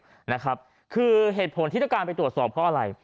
นะครับคือเหตุผลที่ต้องการไปตรวจสอบเพราะอะไร